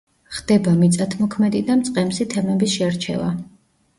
ხდება მიწათმოქმედი და მწყემსი თემების შერევა.